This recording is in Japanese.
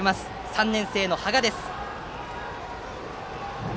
３年生の芳賀です。